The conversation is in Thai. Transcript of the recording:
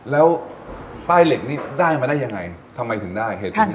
แล้วป้ายเหล็กนี่ได้มาได้ยังไงทำไมถึงได้เหตุผลนี้